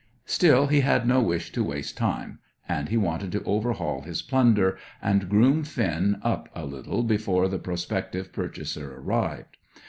Still, he had no wish to waste time, and he wanted to overhaul his plunder, and groom Finn up a little before the prospective purchaser arrived.